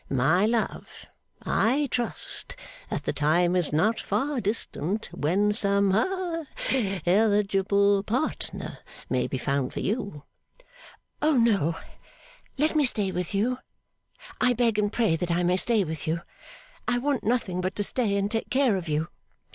My love, I trust that the time is not far distant when some ha eligible partner may be found for you.' 'Oh no! Let me stay with you. I beg and pray that I may stay with you! I want nothing but to stay and take care of you!